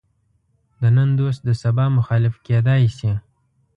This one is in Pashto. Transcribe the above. د نن دوست د سبا مخالف کېدای شي.